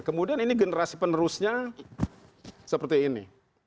kemudian ini generasi penerusnya seperti ini